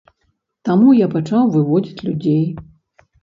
Таму я пачаў выводзіць людзей.